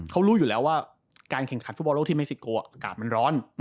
เขารู้อยู่แล้วว่าการแข่งขันฟุตบอลโลกที่เม็กซิโกอากาศมันร้อน